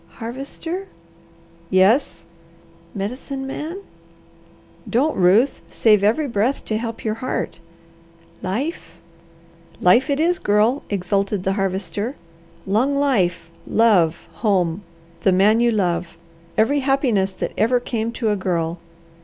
"Harvester?" "Yes!" "Medicine Man?" "Don't, Ruth! Save every breath to help your heart." "Life?" "Life it is, Girl!" exulted the Harvester. "Long life! Love! Home! The man you love! Every happiness that ever came to a girl!